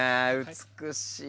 美しい。